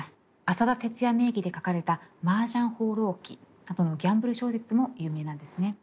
阿佐田哲也名義で書かれた「麻雀放浪記」などのギャンブル小説も有名なんですね。